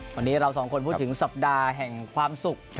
วันนี้เราสองคนพูดถึงสัปดาห์แห่งความสุข